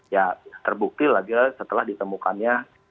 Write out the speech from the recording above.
ya terbukti lagi setelah ditemukannya